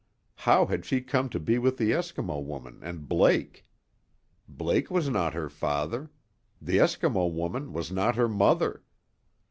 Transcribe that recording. How had she come to be with the Eskimo woman and Blake? Blake was not her father; the Eskimo woman was not her mother.